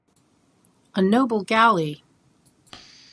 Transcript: A noble Galley!!!